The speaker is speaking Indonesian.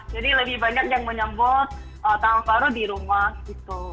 jadi lebih banyak yang menyembuh tahun baru di rumah